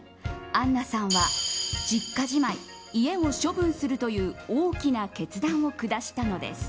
アンナさんは、実家じまい家を処分するという大きな決断を下したのです。